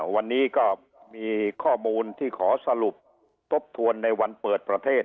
วันนี้ก็มีข้อมูลที่ขอสรุปทบทวนในวันเปิดประเทศ